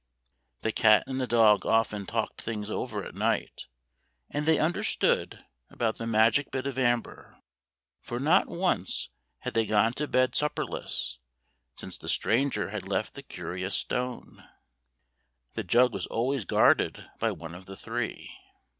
The cat and the dog often talked things over at night, and they understood about [.'56 ] THE ENCHANTED MEAD the magic bit of amber, for not once had they gone to bed supperless since the stranger had left the curious stone. The jug was always guarded by one of the three.